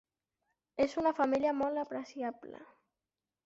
És una família molt apreciable.